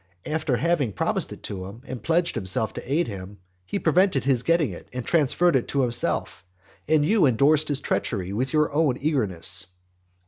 After having promised it to him, and pledged himself to aid him, he prevented his getting it, and transferred it to himself. And you endorsed his treachery with your own eagerness.